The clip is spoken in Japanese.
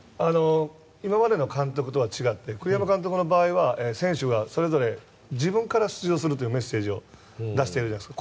今までの監督と違って栗山監督の場合は選手が、それぞれ自分から出場するというメッセージを出しているじゃないですか。